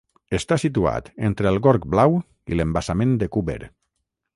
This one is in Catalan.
Està situat entre el Gorg Blau i l'embassament de Cúber.